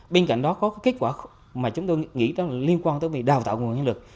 bên cạnh đó có kết quả mà chúng tôi nghĩ liên quan tới việc đào tạo nguồn nhân lực